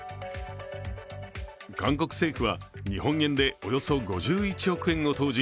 韓国政府は日本円でおよそ５１億円を投じ